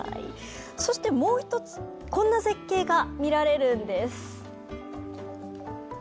そして、もう一つこんな絶景が見られるんです。